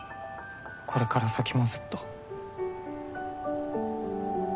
これから先もずっと。